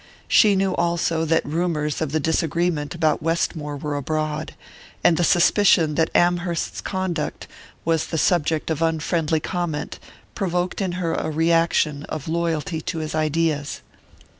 She knew also that rumours of the disagreement about Westmore were abroad, and the suspicion that Amherst's conduct was the subject of unfriendly comment provoked in her a reaction of loyalty to his ideas....